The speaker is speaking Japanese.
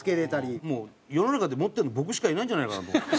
もう世の中で持ってるの僕しかいないんじゃないかなと。